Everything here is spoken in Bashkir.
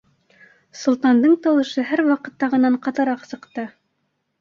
— Солтандың тауышы һәр ваҡыттағынан ҡатыраҡ сыҡты.